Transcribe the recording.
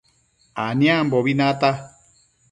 Aniambobi nata